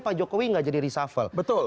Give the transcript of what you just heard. pak jokowi nggak jadi reshuffle betul